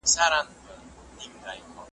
قوي قانون سوله رامنځته کوي.